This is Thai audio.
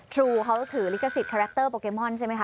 ครูเขาถือลิขสิทธิคาแรคเตอร์โปเกมอนใช่ไหมค